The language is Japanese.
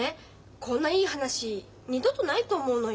こんないい話二度とないと思うのよ。